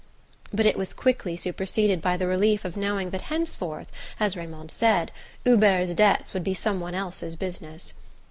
but it was quickly superseded by the relief of knowing that henceforth, as Raymond said, Hubert's debts would be some one else's business.